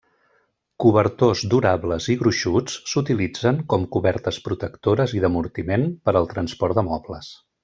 Cobertors durables i gruixuts s'utilitzen com cobertes protectores i d'amortiment per al transport de mobles.